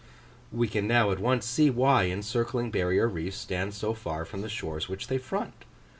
We can now at once see why encircling barrier reefs stand so far from the shores which they front.